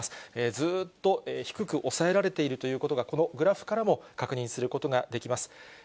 ずっと低く抑えられているということが、このグラフからも確認することができます。